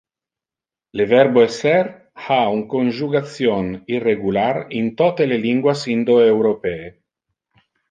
Le verbo "esser" ha un conjugation irregular in tote le linguas indo-europee.